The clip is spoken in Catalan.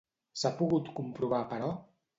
S'ha pogut comprovar, però?